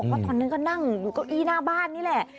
เพราะตอนนั้นก็นั่งอยู่เก้าอี้หน้าบ้านนี่แหละ